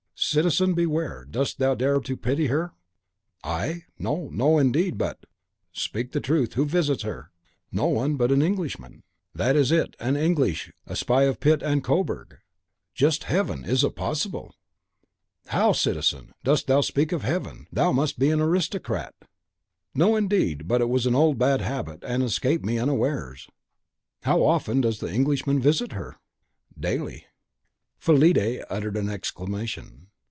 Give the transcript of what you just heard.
"Citizen, beware! Dost thou dare to pity her?" "I? No, no, indeed. But " "Speak the truth! Who visits her?" "No one but an Englishman." "That is it, an Englishman, a spy of Pitt and Coburg." "Just Heaven! is it possible?" "How, citizen! dost thou speak of Heaven? Thou must be an aristocrat!" "No, indeed; it was but an old bad habit, and escaped me unawares." "How often does the Englishman visit her?" "Daily." Fillide uttered an exclamation.